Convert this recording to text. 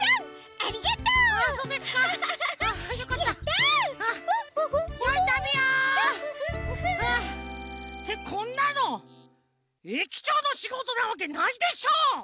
よいたびを！ってこんなの駅長のしごとなわけないでしょ！